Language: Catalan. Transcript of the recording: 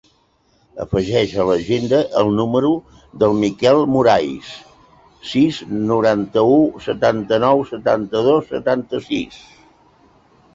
Afegeix a l'agenda el número del Mikel Morais: sis, noranta-u, setanta-nou, setanta-dos, setanta-sis.